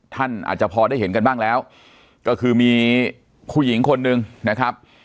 ท่านอาจจะพอได้เห็นกันบ้างแล้วก็คือมีผู้หญิงคนหนึ่งนะครับ